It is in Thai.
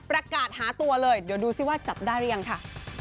ประกาศหาตัวเลยเดี๋ยวดูสิว่าจับได้หรือยังค่ะ